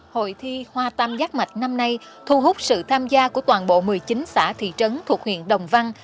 hội thi hoa tam giác mạch năm nay thu hút sự tham gia của toàn bộ một mươi chín xã thị trấn thuộc huyện đồng văn